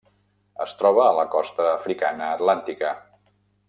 Es troba a la costa africana atlàntica.